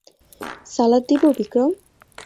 সালাদ দিবো, বিক্রম?